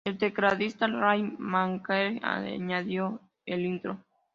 El tecladista Ray Manzarek añadió el intro.